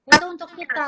itu untuk kita